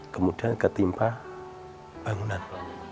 kemudian ketimpa bangunan